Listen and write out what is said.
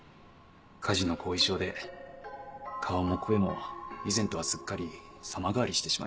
火事の後遺症で顔も声も以前とはすっかり様変わりしてしまいました。